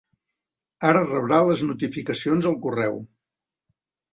Ara rebrà les notificacions al correu.